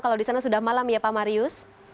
kalau di sana sudah malam ya pak marius